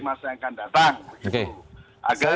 mas arief akan datang